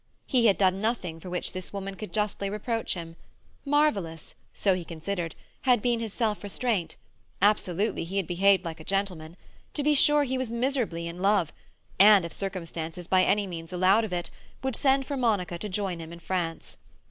He had done nothing for which this woman could justly reproach him; marvellous—so he considered—had been his self restraint; absolutely, he had behaved "like a gentleman." To be sure, he was miserably in love, and, if circumstances by any means allowed of it, would send for Monica to join him in France.